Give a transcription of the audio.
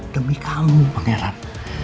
demi kamu pangeran